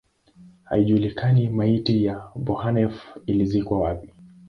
Haijulikani maiti ya Bonhoeffer ilizikwa wapi.